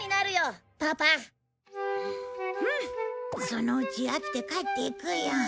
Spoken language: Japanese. そのうち飽きて帰っていくよ。